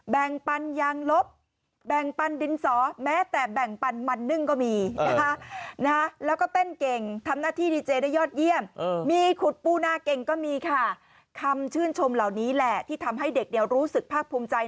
แบ่งปันยางลบแบ่งปันดินสอแม้แต่แบ่งปันมันหนึ่งก็มีนะฮะ